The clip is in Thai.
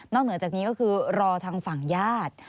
เหนือจากนี้ก็คือรอทางฝั่งญาติ